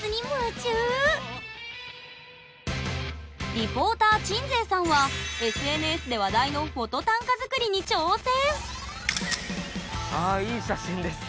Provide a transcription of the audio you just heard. リポーター鎮西さんはＳＮＳで話題のフォト短歌作りに挑戦！